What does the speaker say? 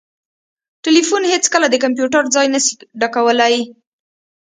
ټلیفون هیڅکله د کمپیوټر ځای نسي ډکولای